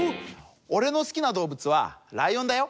おれのすきなどうぶつはライオンだよ。